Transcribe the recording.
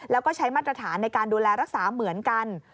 แล้วก็ใช้มาตรฐานในการดูแลรักษาเหมือนกัน